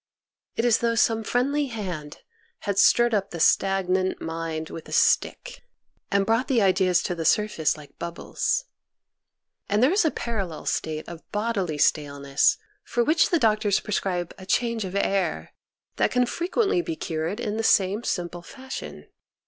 It is as though some friendly hand had stirred up the stagnant mind with a stick, and brought the ideas to the surface like bubbles. And there is a parallel state of bodily stale THE VIRTUES OF GETTING DRUNK 177 ness, for which the doctors prescribe a change of air, that can frequently be cured in the same simple fashion.